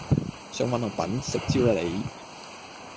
想搵我笨？食蕉啦你！